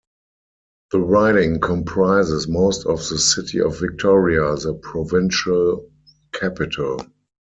The riding comprises most of the City of Victoria, the provincial capital.